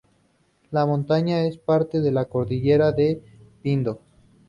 La montaña es parte de la cordillera de Pindo.